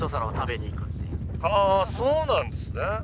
そうなんですね。